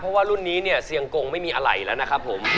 เพราะว่ารุ่นนี้เนี่ยเซียงกงไม่มีอะไรแล้วนะครับผม